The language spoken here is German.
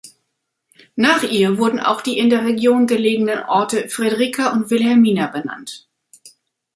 Nach ihr wurden auch die in der Region gelegenen Orte Fredrika und Vilhelmina benannt.